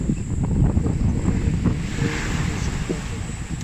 বৈদিক ছন্দের মেঘমন্দ্রে দেশটার প্রাণসঞ্চার করতে হবে।